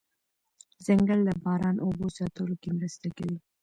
ځنګل د باران اوبو ساتلو کې مرسته کوي